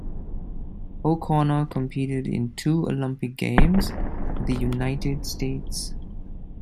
O'Connor competed in two Olympic Games for the United States.